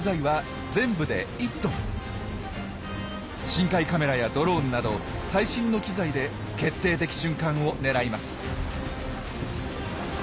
深海カメラやドローンなど最新の機材で決定的瞬間を狙います。